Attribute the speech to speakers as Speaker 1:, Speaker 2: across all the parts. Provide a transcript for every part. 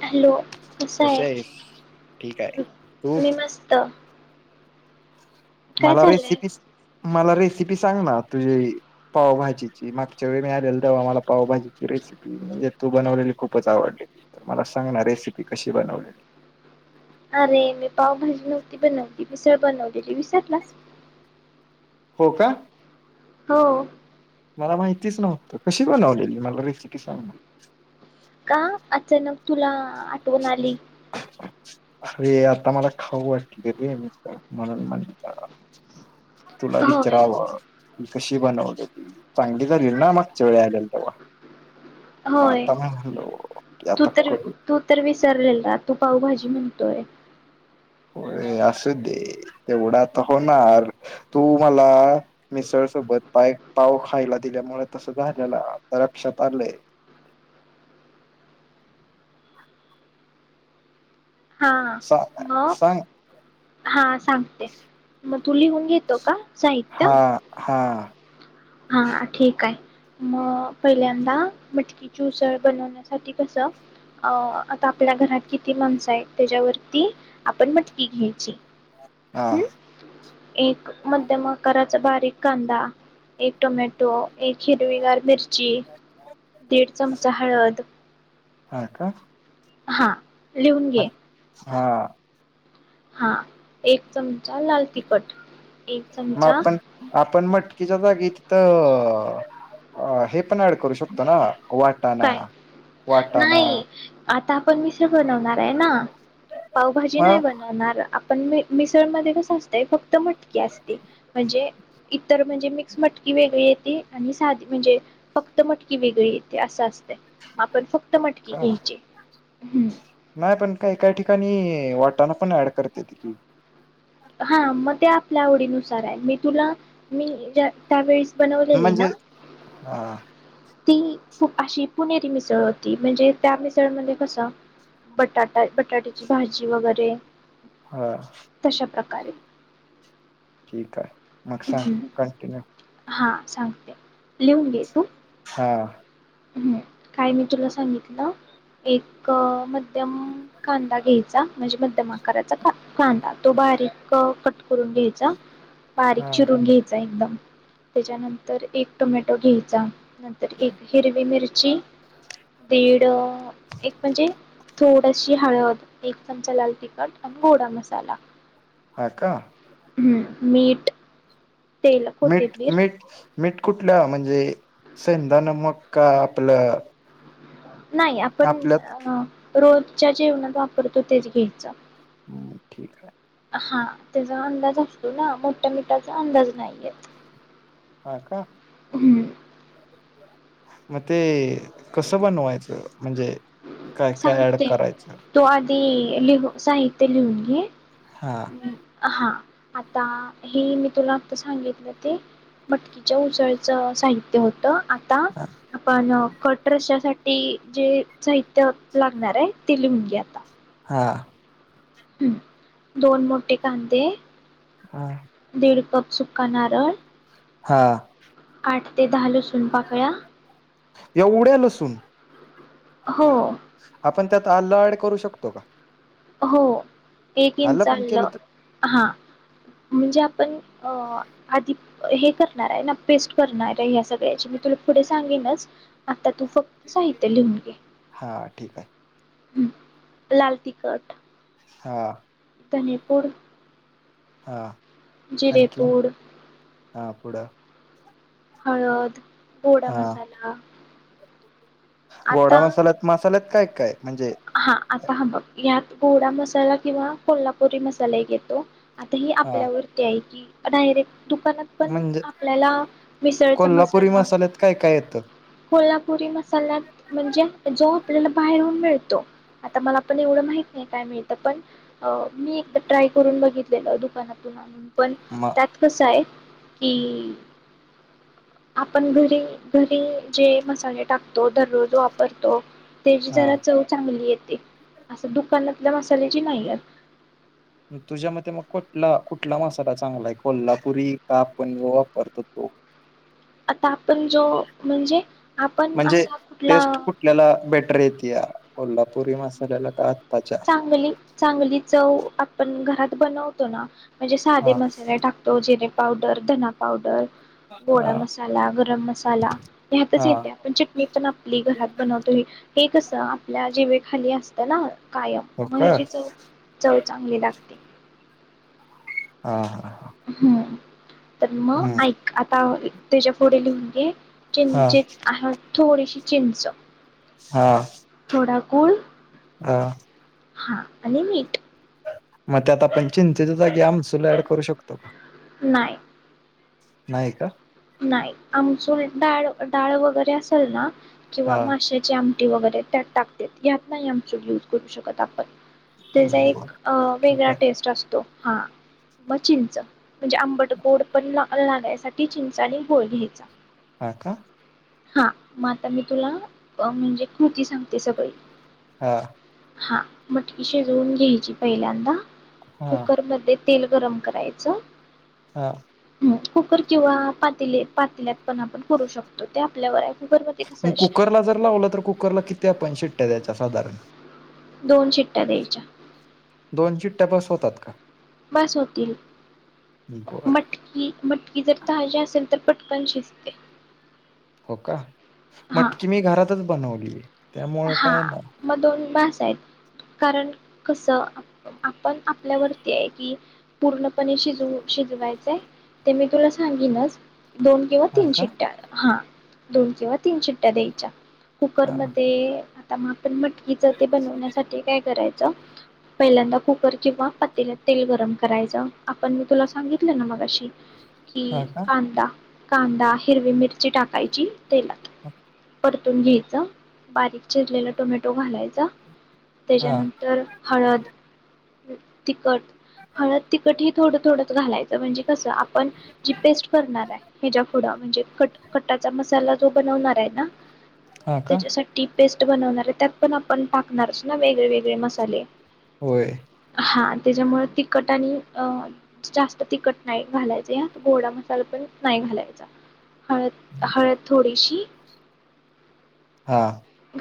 Speaker 1: Hello कसा
Speaker 2: कशी
Speaker 1: आहे
Speaker 2: आहेस? ठीक हाय. तु?
Speaker 1: मी मस्त काय
Speaker 2: मला
Speaker 1: चाललंय
Speaker 2: रेसिपी मला रेसिपी सांग ना तुझी पावभाजीची. मागच्या वेळी मी आलेल तेव्हा मला पावभाजीची रेसिपी म्हणजे तू बनवलेली खूपच आवडली, तर मला सांग ना रेसिपी कशी बनवलेली.
Speaker 1: अरे मी पावभाजी नव्हती बनवली मीसळ बनवलेली विसरलास?
Speaker 2: हो का
Speaker 1: हो.
Speaker 2: मला माहितीच नव्हतं. कशी बनवलेली मला रेसि किती सांग ना.
Speaker 1: का अचानक तुला आठवण आली.
Speaker 2: अरे आता मला खाऊ वाटली रे मिसळ म्हणून म्हटलं. तुला
Speaker 1: होय
Speaker 2: विचाराव. मी कशी बनवलेली? चांगली झालेली ना मागच्या वेळी आलेलो तेव्हा. मग
Speaker 1: होय
Speaker 2: आता म्हणलो की
Speaker 1: तू
Speaker 2: आता
Speaker 1: तर,
Speaker 2: करू
Speaker 1: तू तर वीस विसरलेला तू पाऊभाजी म्हणतोय.
Speaker 2: होेय असू दे तेवढ आता होणार. तू मला मिसळ सोबत पाय पाव खायला दिल्यामुळे तस झालेला आता लक्षात आलंय.
Speaker 1: हा
Speaker 2: सांग
Speaker 1: म
Speaker 2: सांग
Speaker 1: हा सांगते म तू लिहून घेतो का? साहित्य
Speaker 2: हा हा
Speaker 1: हा ठीक हाय. म पहिल्यांदा मटकीची उसळ बनवण्यासाठी कस अं आता आपल्या घरात किती माणसं आहेत त्याच्यावरती आपण मटकी घ्यायची.
Speaker 2: हा.
Speaker 1: हम्म एक मध्यम आकाराचा बारीक कांदा एक टोमॅटो, एक हिरवीगार मिरच ची दीड चमचा हळद
Speaker 2: हा, का?
Speaker 1: हा लिहून घे
Speaker 2: हा
Speaker 1: हा एक चम लाल तिखट एक चमचा
Speaker 2: तिच्या जागीत त आ हे पण ऍड करू शकतो ना? वाटाणा
Speaker 1: काय
Speaker 2: वाटाणा
Speaker 1: नाही आता आपण मिश्र बनवणार आहे ना? पावभाजी
Speaker 2: ह
Speaker 1: नाय बनवणार आप पण म मिसळमध्ये कस असत फक क्त मटकी असते म्हणजे इतर म्हणजे मिक्स मटकी वेगळी येती आणि साधी म्हणजे फक्त मटकी वेगळी ये की अस हम्म
Speaker 2: नाही पण काय काय ठिकाणी ते वाटाण पण ऍड करतेेत की
Speaker 1: हा मग ते आपल्या आवडीनुसार हाय मी तुला मी ज्या त्यावेळी
Speaker 2: म्हणजे? हा
Speaker 1: ती खु अशी पुणेरी मिसळ होती म्हणजे त्या मिसळमध्ये कस बटाटा बटाट्याची भाजी वगैरे
Speaker 2: हा
Speaker 1: कारे
Speaker 2: ठीक हाय मग सांग कंटिन्यू
Speaker 1: हा सांगते लिहून घे तू
Speaker 2: हा
Speaker 1: हम् काय मी तुला सांगितलं एक मध्यम कांदा घ्यायचा म्हणजे मध्यम आकाराचा कांदा तो बारीक कट करून घ्यायचा बारीक
Speaker 2: हा
Speaker 1: चिरून घ्यायचाय म त्याच्यानंतर एक टोमॅटो घ्यायचा नंतर एक हिरवी मिरची दीड अं एक म्हणजे थोडशी हळद एक चमचा लाल तिखट आणि गोडा मसाला
Speaker 2: हा का
Speaker 1: हूं मीट तेल कोथिंबीर
Speaker 2: मिट कुठलं म्हणजे? सेंधा नमक का आपल
Speaker 1: नाई आपण सअं रोजच्या जेवणात वापरतो तेच घ्यायचं
Speaker 2: हम्म ठीक आहे.
Speaker 1: हां त्याचा अंदाज असतो ना मोठ्या मिठाचा अंदाज नाही येत
Speaker 2: हा का?
Speaker 1: हम्म
Speaker 2: [unintelligible] मग ते कसं बनवायचं म्हणजे? काय काय ऍड
Speaker 1: सांगते,
Speaker 2: करायचं
Speaker 1: तो आधी लिहू साहित्य लिहून घे.
Speaker 2: हा
Speaker 1: हं हा आता हे मी तुला आता सांगितलं ते मटकीच्या उसळाचं साहित्य होत [unintelligible] आता
Speaker 2: हा
Speaker 1: आपण कट रशासाठी जे साहित्य लागणार आहे ते लिहून घे आता?
Speaker 2: हा
Speaker 1: [inaudible] हम्म दोन मोठे कांदे
Speaker 2: हा
Speaker 1: [inaudible] दीड कप सुका नारळ
Speaker 2: हा
Speaker 1: आठ ते दहा लसूण पाकळ्या
Speaker 2: एवढ्या! लसूण
Speaker 1: हो
Speaker 2: ही हाफ आपण त्यात आल्ं ॲड करू शकतो का?
Speaker 1: हो [inaudible] एक इंच
Speaker 2: पण केलं
Speaker 1: आलं
Speaker 2: तर
Speaker 1: हा म्हणजे आपण अ आधी हे करणार आहे ना? पेस्ट करणार आहे या सगळ्यांची मी तुला पुढे सांगेनच? आता तू फक्त साहित्य लिहून घे.
Speaker 2: हा ठीक आहे
Speaker 1: हम्म लाल ती साठ
Speaker 2: हा
Speaker 1: धणेपूड
Speaker 2: हा
Speaker 1: जिरे
Speaker 2: आणखी
Speaker 1: पूड [inaudible]
Speaker 2: हा पुढ?
Speaker 1: हळद गोडा मसाला आता
Speaker 2: गोडा मसालात मसाल्यात काय? काय म्हणजे
Speaker 1: हा [inaudible] आता हं बघ हयात गोडा मसाला किंवा कोल्हापुरी मसाला एक येतो. आता हे
Speaker 2: हा
Speaker 1: आपल्यावरती आहे की नाहीरे. दुकानात पण
Speaker 2: म्हणजे
Speaker 1: आपल्याला मिसळचा
Speaker 2: कोल्हापुरी
Speaker 1: मसाला
Speaker 2: मसाल्यात काय काय येतं
Speaker 1: कोल्हा पूरी म चलात म्हणजे जो आपल्याला बाहेरून मिळतो. आता मला पण एवढं माहित नाही. काय मिळतं? पण मी एकदा ट्राय करून बघितलेलं दुकानातून आणुन पण
Speaker 2: मग
Speaker 1: त्यात कसाय कि आपण घरी घरी जे मसाले टाकतो दररोज वापरतो तेची
Speaker 2: हा
Speaker 1: जरा चव येते अस दुकानातल्या मसाल्याची नाही येत.
Speaker 2: तुझ्या मते मग कुठला कुठला मसाला चांगला आहे? कोल्हापुरी का आपण जो वापरतो तो?
Speaker 1: आता आपण जो म्हणजे आपण
Speaker 2: म्हणजे
Speaker 1: असा
Speaker 2: टेस्ट
Speaker 1: कुठला
Speaker 2: कुठल्याला बेटर येतीया? कोल्हापुरी मसाल्याला का आत्ताच्या
Speaker 1: चांगली चांगली चव आपण घरात बनवतो ना म्हणजे साधे
Speaker 2: हा
Speaker 1: मसाले टाकतो जेने पावडर, धना पावडर
Speaker 2: हा
Speaker 1: गोडा मसाला, गरम मसाला ह्यातच
Speaker 2: हा
Speaker 1: येत्या. आपण चटणी पण आपली घरात बनवतो हे ते कसं आपल्या जीवेखाली असतं ना. कायम
Speaker 2: हो
Speaker 1: म
Speaker 2: का
Speaker 1: हिची चव-चव चांगली लागते.
Speaker 2: हा हा हा
Speaker 1: हम्म हाय तर मग
Speaker 2: हम्म
Speaker 1: ऐक आता त्याच्या पुढे लिहून घे.
Speaker 2: हा
Speaker 1: किंचित आ हा थोडीशी चिंच
Speaker 2: हा.
Speaker 1: थोडा गुळ
Speaker 2: हा
Speaker 1: हा आणि मीठ.
Speaker 2: मग त्यात आपण चिंचेच्या जागी आमसुल ऍड करू शकतो का?
Speaker 1: नाही.
Speaker 2: नाही का?
Speaker 1: नाई आमसूल डाळ-डाळ वगैरे असेल ना किंवा
Speaker 2: हा
Speaker 1: माशाची आम ते वैगरे त्यात टाकतेत यात नाही आमचूर युज करू शकत आपण त्याजा
Speaker 2: बर
Speaker 1: एक अअ
Speaker 2: ठीक
Speaker 1: वेगळा
Speaker 2: आहे
Speaker 1: टेस्ट असतो हा मग चिंच म्हणजे आंबट, गोड पण ला लागायसाठी चिंच चालेल [unintelligible] इचा
Speaker 2: हा का?
Speaker 1: हा म आता मी तुला अ म्हणजे कृती सांगते सगळी
Speaker 2: हा
Speaker 1: हा मटकी शिजवून घ्यायची पहिल्यांदा
Speaker 2: हा
Speaker 1: कुकरमध्ये तेल गरम करायच
Speaker 2: हा
Speaker 1: हं कुकरचि वाफ पातले पातिल्यात पण आपण करू शकतो ते आपल्यावर हाय
Speaker 2: म कुकरला जर लावला तर कुकरला किती आपण शिट्ट्या द्यायच्या अस साधारण [inaudible]
Speaker 1: दोन शिट्ट्या द्यायच्या
Speaker 2: दोन शिट्ट्या बस होतात का
Speaker 1: बस होतील
Speaker 2: बर
Speaker 1: मटकी मटकी जर ताजी असेल तर पट पन शिजते
Speaker 2: हो का? मटकी मी घरातच बनवली. ह
Speaker 1: हा मग दोन बास? [unintelligible] कारण कस? आपण आपल्यावरती आहे कि पूर्णपणे शिजवू शिजवायचंय ते मी तुला सांगीनच? दोन किंवा
Speaker 2: हा
Speaker 1: तीन
Speaker 2: का
Speaker 1: शिट्ट्या हा दोन किंवा तीन शिट्ट्या द्यायच्या
Speaker 2: हा
Speaker 1: कुकरम [unintelligible] हे आता [unintelligible] पण मटकीच ते बनवण्यासाठी काय करायचं त पहिल्यांदा कुकर किंवा पातेल्यात तेल गरम करायच आपण मी तुला सांगितल ना मघाशी? की
Speaker 2: हा का
Speaker 1: कांदा कांदा हिरवी मिरची टाकायची तेलात
Speaker 2: आत
Speaker 1: पडतून घ्यायच. बारीक चिरलेला टोमॅटो घालायचा.
Speaker 2: हा
Speaker 1: त्याज्यानंतर हळद तिखट हळद तिखट हे थोड थोडच घालायच म्हणजे कस? आपण जी पेस्ट करणार आहे ह्याच्या पुुढ म्हणजे कट कटाचा मसाला जो बनवणार आहे ना?
Speaker 2: हा का
Speaker 1: त्याच्यासाठी पेस्ट जे बनवणार आहे त्यात पण आपण टाकणारच ना वेगळे वेगळे मसाले
Speaker 2: होय
Speaker 1: हा त्याच्यामुळ तिखट आणि अ जास्त तिखट नाही घालायचं यात गोडा मसाला पण नाही घालायचा हळद हळद थोडीशी
Speaker 2: हा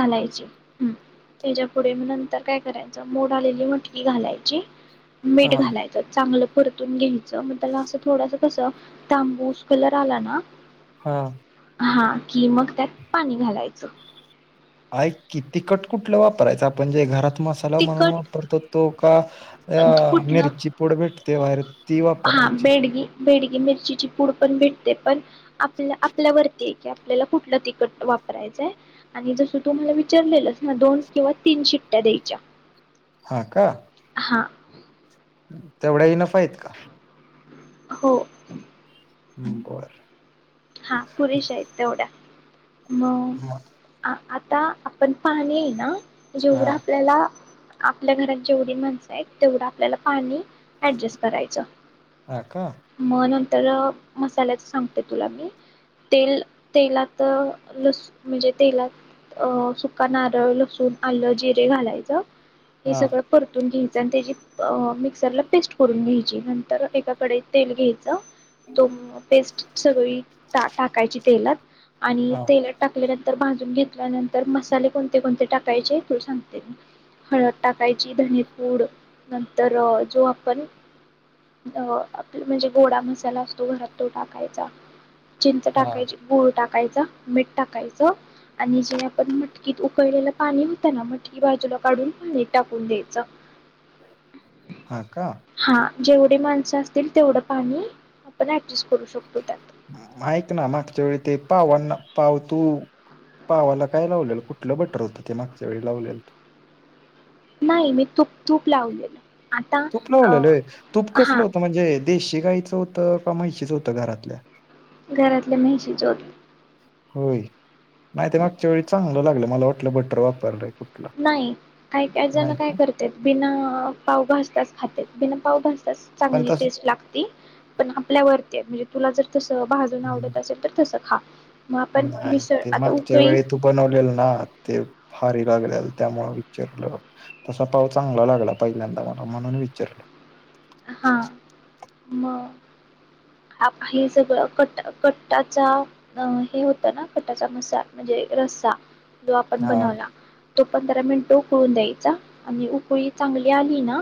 Speaker 1: घालायची त्याच्यापुढे मग नंतर काय करायच मोड आलेली मटकी घालायची मीठ
Speaker 2: हा
Speaker 1: घालायचं चांगलं परतून घ्यायचं मग त्याला असं थोडस कस तांबूस कलर आला ना
Speaker 2: हा
Speaker 1: हा की मग त्यात पाणी घालायचं
Speaker 2: ऐक की तिखट कुठलं वापरायचं आपण जे घरात मसाला म्हणून
Speaker 1: तिखट
Speaker 2: वापरतो तो का अ
Speaker 1: कुठलं
Speaker 2: मिरची पुड भेटते बाहेर ती
Speaker 1: हा
Speaker 2: वापरायची
Speaker 1: बेडगी बेडगी मिरचीची पूड पण भेटते पण आपल्या आपल्यावरती की आपल्याला कुठलं तिखट वापरायचंय आणि जसं तु मला विचारलेलस ना दोन किंवा तीन शिट्ट्या द्यायच्या
Speaker 2: हा का
Speaker 1: आ
Speaker 2: तेवढ्या इनफ हायत का?
Speaker 1: हो
Speaker 2: हं बर
Speaker 1: हा पुरेश आहेत तेवढ्या म
Speaker 2: हा
Speaker 1: आ आ ता आपण पाणी ना
Speaker 2: हा
Speaker 1: जेवढं आपल्याला आपल्या घरात जेवढी माणसं आहेत तेवढं आपल्याला पाणी ऍडजस्ट करायच
Speaker 2: हा का
Speaker 1: म्हणून तर मसाल्याच सांगते तुला मी तेल तेलात लस म्हणजे तेलात अ सुका नारळ, लसूण, आल्ल, जिरे घालायचं हे
Speaker 2: हा
Speaker 1: सगळं परतून घे त्याची मिक्सरला पेस्ट करून घ्यायची नंतर एका कढईत तेल घ्यायचं तो पेस्ट सगळी ता टाकायची तेलात आणि
Speaker 2: हा
Speaker 1: तेलात टाकलेल्या तर भाजून घेतल्यानंतर मसाले कोणते कोणते टाकायचे तूल सांगते हळद टाकायची, धनीपूड नंतर जो आपण अ आप म्हणजे गोडा मसाला असतो घरात तो टाकायचा चिंच
Speaker 2: हा
Speaker 1: टाकायची गूळ टा कायच मीठ टाकायचं आणि जे आपण मटकीत उकळलेलं पाणी होतं ना, मटकी बाजूला काढून पाणी टाकून द्यायचं
Speaker 2: हा का
Speaker 1: हा जेवढे माणसं असतील तेवढं पाणी आपण [unintelligible] शकतो त्यात
Speaker 2: ऐक ना मागच्या वेळी ते पावांना पाव तू पावाला काय लावलेल कुठलं बटर होतं ते मागच्या वेळी लावलेल.
Speaker 1: नाही मी तुप तूप लावलेलं आता
Speaker 2: तूप
Speaker 1: अ
Speaker 2: लावलेल व्हय तूप
Speaker 1: हा
Speaker 2: कसलं होतं म्हणजे देशी गाईचं होतं का म्हशीचं होतं घरातल्या?
Speaker 1: घरातल्या म्हैंशीच होत.
Speaker 2: होय नाहीत मागच्या वेळी चांगलं लागलं मला वाटलं बटर वापरलंय. कुठलं
Speaker 1: नाही काय काय जण
Speaker 2: नाही
Speaker 1: काय
Speaker 2: का
Speaker 1: करत्यात बिना पाव भाजत्यात खात्यात बिना पाव भाजता
Speaker 2: पण
Speaker 1: चांगली
Speaker 2: तस
Speaker 1: टेस्ट लागती पण आपल्यावर म्हणजे तुला जर तसं भाजून आवडत असेल तर तसं खा. मग आपण
Speaker 2: नाही
Speaker 1: मिसळ
Speaker 2: ते
Speaker 1: आता
Speaker 2: मागच्या
Speaker 1: उकळी
Speaker 2: वेळी तू बनवलेल ना ते फार [unintelligible] त्यामुळ विचारलं तसा पाव चांगला लागला पहिल्यांदा मला म्हणून विचारलं.
Speaker 1: हा मग हे सगळं कट कट्टाचा अ हे होतं ना कट्टाचा मसा म्हणजे रस्सा तो आपण
Speaker 2: हा
Speaker 1: बनवला. तो पंधरा मिनिट उकळून द्यायचा आणि उकळी चांगली आली ना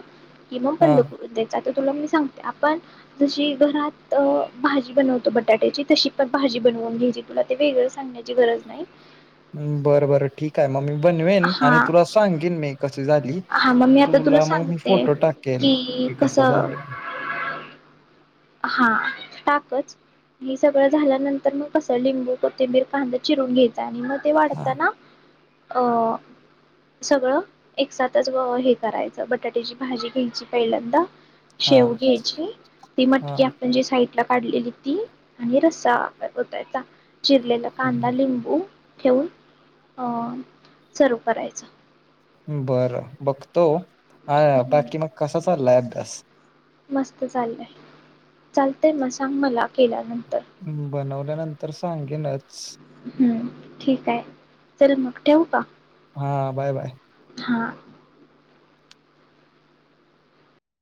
Speaker 1: की मग
Speaker 2: हा
Speaker 1: बंद कर. आता तुला मी सांगते आपण जशी घरात भाजी बनवतो बटाट्याची तशी पण भाजी बनवून घ्यायची तुला ते वेगळ सांगण्याची गरज नाही.
Speaker 2: बरं बरं ठीक आहे मग मी बनवेन आणि
Speaker 1: हा
Speaker 2: तुला सांगेन मी कशी झाली
Speaker 1: हा मग मी आता तुला
Speaker 2: मग मी
Speaker 1: सांगते
Speaker 2: फोटो टाकेल
Speaker 1: कि
Speaker 2: की
Speaker 1: कस
Speaker 2: कसा झालेला
Speaker 1: हा टाकच. हे सगळं झाल्यानंतर मग कस लिंबू, कोथिंबीर, कांदा चिरून घ्यायचा आणि मग ते
Speaker 2: हा
Speaker 1: वाढताना अ सगळं एकसाथच हे करायचं बटाट्याची भाजी घ्यायची पहिल्यांदा
Speaker 2: हा
Speaker 1: शेव घ्यायची ती
Speaker 2: हा
Speaker 1: मटककी आपण जे साई - - साईटला काढलेली ती आणि रसा त्यात ओतायचा. चिरलेल कांदा लिंबू ठेऊन अ सर्व करायचं.
Speaker 2: बरं बघतो हा बाकी
Speaker 1: हम्म
Speaker 2: मग कसा चाललाय अभ्यास
Speaker 1: मस्त चाललंय चालत म सांग मला केला न - -
Speaker 2: बनवल्यानंतर सांगे न - -
Speaker 1: हूं ठीक हाय चल मग ठेवू का?
Speaker 2: हा बाय बाय
Speaker 1: हा